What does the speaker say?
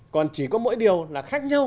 còn chỉ có mỗi điều là khác nhau